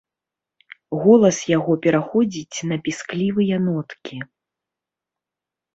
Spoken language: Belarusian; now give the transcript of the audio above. Голас яго пераходзіць на пісклівыя ноткі.